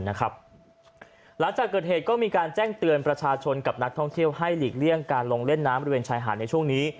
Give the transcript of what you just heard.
หลังจากเกิดเหตุก็มีการแจ้งเตือนประชาชนกับนักท่องเที่ยวให้หลีกเลี่ยงการลงเล่นน้ำบริเวณชายหาดในช่วงนี้